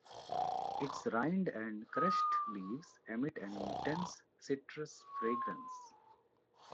Its rind and crushed leaves emit an intense citrus fragrance.